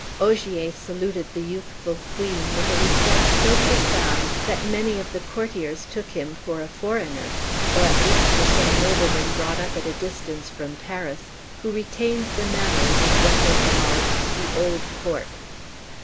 Ogier saluted the youthful queen with a respect so profound that many of the courtiers took him for a foreigner, or at least for some nobleman brought up at a distance from Paris, who retained the manners of what they called the old court.